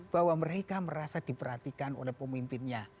bahwa mereka merasa diperhatikan oleh pemimpinnya